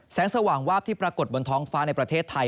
สว่างวาบที่ปรากฏบนท้องฟ้าในประเทศไทย